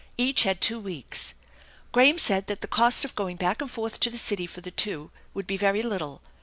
Each had two weeks. Graham said that the cost of going back and forth to the city for the two would be very little.